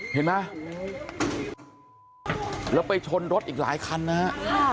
เห็นไหมแล้วไปชนรถอีกหลายคันนะฮะ